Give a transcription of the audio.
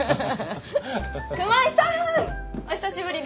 熊井さん！お久しぶりです。